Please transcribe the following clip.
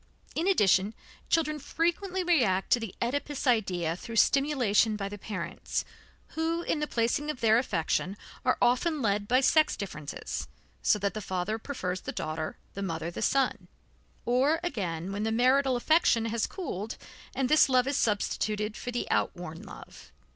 In addition, children frequently react to the Oedipus idea through stimulation by the parents, who in the placing of their affection are often led by sex differences, so that the father prefers the daughter, the mother the son; or again, where the marital affection has cooled, and this love is substituted for the outworn love.